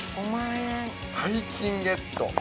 大金ゲット。